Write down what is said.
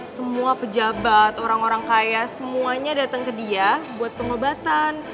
semua pejabat orang orang kaya semuanya datang ke dia buat pengobatan